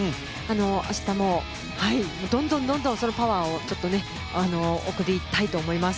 明日もどんどんそのパワーを送りたいと思います。